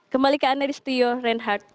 kembali ke anda di studio reinhardt